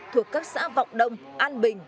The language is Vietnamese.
thuộc các xã vọc đông an bình